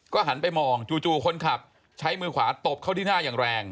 หันไปมองจู่คนขับใช้มือขวาตบเข้าที่หน้าอย่างแรง